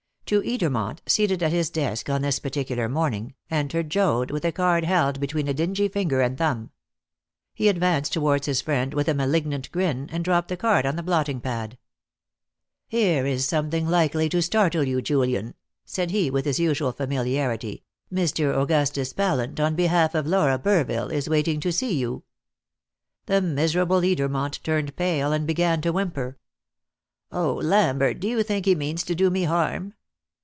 To Edermont, seated at his desk on this particular morning, entered Joad, with a card held between a dingy finger and thumb. He advanced towards his friend with a malignant grin, and dropped the card on to the blotting pad. "Here is something likely to startle you, Julian," said he with his usual familiarity. "Mr. Augustus Pallant, on behalf of Laura Burville, is waiting to see you." The miserable Edermont turned pale, and began to whimper. "Oh, Lambert, do you think he means to do me harm?"